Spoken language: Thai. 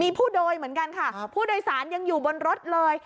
มีผู้โดยเหมือนกันค่ะผู้โดยสารยังอยู่บนรถเลย